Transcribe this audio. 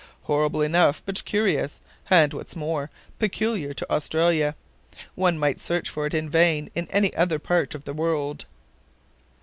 "Horrible enough, but curious, and, what's more, peculiar to Australia. One might search for it in vain in any other part of the world."